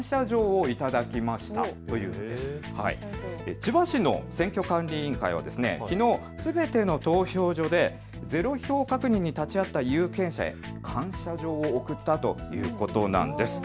千葉市の選挙管理委員会はきのうすべての投票所でゼロ票確認に立ち会った有権者へ感謝状を贈ったということなんです。